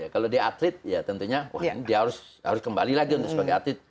kalau dia atlet ya tentunya dia harus kembali lagi untuk sebagai atlet